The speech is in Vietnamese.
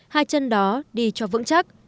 hai chân đó đi cho vững chắc